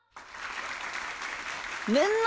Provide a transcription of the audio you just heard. みんな！